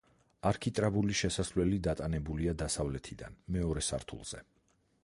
არქიტრავული შესასვლელი დატანებულია დასავლეთიდან, მეორე სართულზე.